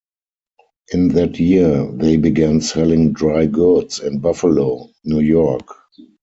In that year, they began selling dry goods in Buffalo, New York.